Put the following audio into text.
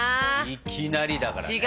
いきなりだからね。